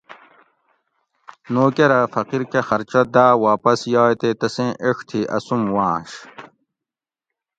نوکر اۤ فقیر کہ خرچہ داۤ واپس یائ تے تسیں ایڄ تھی اسوم وانش